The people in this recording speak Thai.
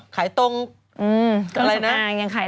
ขายตรง